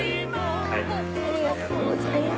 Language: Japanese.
ありがとうございます。